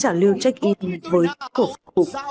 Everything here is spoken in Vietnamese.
trào lưu trách yên với cổ phục